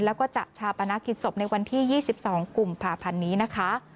แล้วก็จะชาปนกิจศพในวันที่๒๒กุมภาพันธ์นี้นะคะ